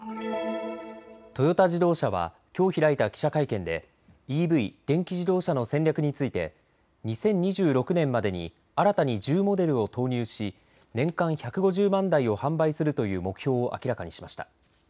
トヨタ自動車はきょう開いた記者会見でＥＶ・電気自動車の戦略について２０２６年までに新たに１０モデルを投入し年間１５０万台を販売するという目標を明らかにしました。